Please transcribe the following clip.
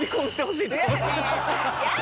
やだ！